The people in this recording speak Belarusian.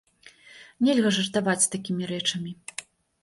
Нельга жартаваць з такімі рэчамі.